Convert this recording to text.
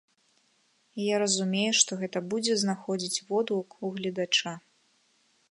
І я разумею, што гэта будзе знаходзіць водгук у гледача.